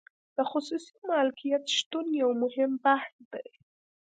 د خصوصي مالکیت شتون یو مهم بحث دی.